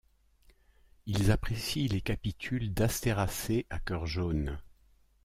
Ils apprécient les capitules d'astéracées à cœur jaune.